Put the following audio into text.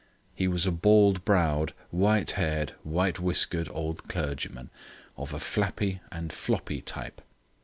He was a bald browed, white haired, white whiskered old clergyman, of a flappy and floppy type.